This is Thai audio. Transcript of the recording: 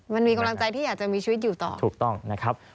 มันมีกำลังใจที่อยากจะมีชีวิตอยู่ต่อถูกต้องนะครับ